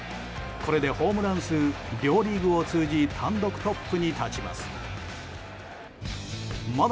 これでホームラン数両リーグを通じ単独トップに立ちます。